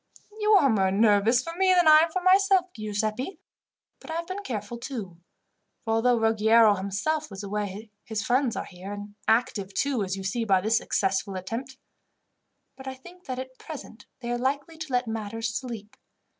"You are more nervous for me than I am for myself, Giuseppi; but I have been careful too, for although Ruggiero himself was away his friends are here, and active, too, as you see by this successful attempt. But I think that at present they are likely to let matters sleep.